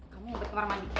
kamu ngumpet kamar mandi